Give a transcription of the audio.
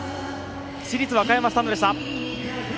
市立和歌山スタンドでした。